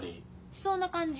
しそうな感じ。